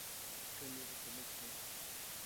ওকে মেরে ফেলেছে।